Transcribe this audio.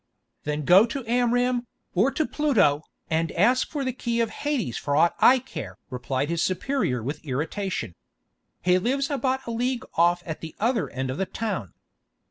"Then go to Amram, or to Pluto, and ask for the key of Hades for aught I care!" replied his superior with irritation. "He lives about a league off at the other end of the town."